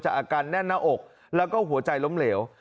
อาการแน่นหน้าอกแล้วก็หัวใจล้มเหลว